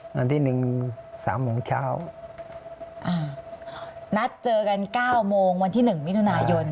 วันที่หนึ่งสามโมงเช้าอ่านัดเจอกันเก้าโมงวันที่หนึ่งมิถุนายน